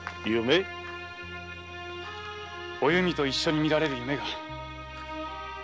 お弓と一緒に見られる夢が。